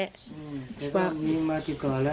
แต่ป้ามีมาติดต่อแล้ว